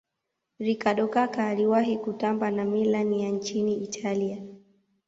ricardo kaka aliwahi kutamba na milan ya nchini italia